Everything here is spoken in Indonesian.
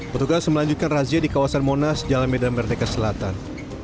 petugas melanjutkan razia di kawasan monas jalan medan merdeka selatan